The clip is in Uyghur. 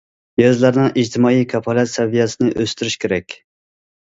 يېزىلارنىڭ ئىجتىمائىي كاپالەت سەۋىيەسىنى ئۆستۈرۈش كېرەك.